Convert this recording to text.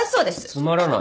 つまらない？